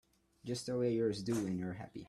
Just the way yours do when you're happy.